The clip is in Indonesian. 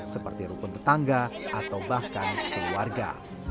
seperti rukun tetangga atau bahkan keluarga